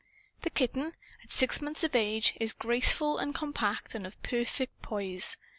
The kitten, at six months of age, is graceful and compact and of perfect poise.